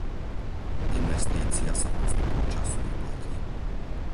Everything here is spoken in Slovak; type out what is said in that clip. Investícia sa postupom času vyplatí.